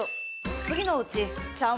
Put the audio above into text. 次のうち茶わん